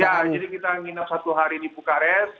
iya jadi kita nginap satu hari di bukarest